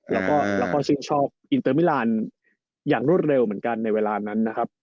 แล้วก็เราก็ชื่นชอบอินเตอร์มิลานอย่างรวดเร็วเหมือนกันในเวลานั้นนะครับ